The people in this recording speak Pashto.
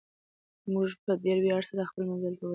موږ په ډېر ویاړ سره خپل منزل ته ورسېدو.